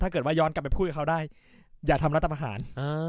ถ้าเกิดว่าย้อนกลับไปพูดกับเขาได้อย่าทำรัฐธรรมหารอ่า